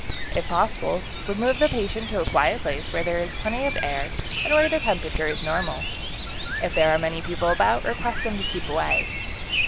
If possible, remove the patient to a quiet place, where there is plenty of air, and where the temperature is normal. If there are many people about, request them to keep away.